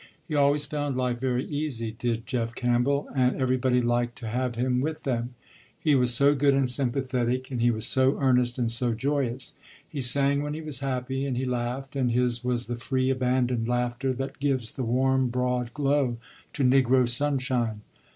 He always found life very easy did Jeff Campbell, and everybody liked to have him with them. He was so good and sympathetic, and he was so earnest and so joyous. He sang when he was happy, and he laughed, and his was the free abandoned laughter that gives the warm broad glow to negro sunshine.